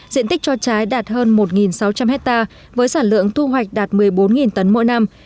diện tích cho trái đạt hơn một sáu trăm linh hectare với sản lượng thu hoạch đạt một mươi bốn tấn mỗi năm